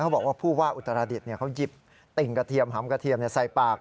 บอกว่าผู้ว่าอุตราดิษฐ์เขาหยิบติ่งกระเทียมหอมกระเทียมใส่ปาก